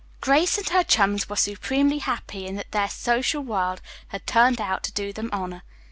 Grace and her chums were supremely happy in that their little social world had turned out to do them honor.